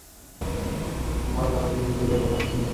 মারলা Lee বিস্মিত গলায় বললেন, গভীর রাতে আপনি?